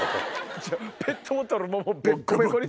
ペットボトルもベッコベコに。